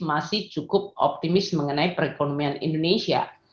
masih cukup optimis mengenai perekonomian indonesia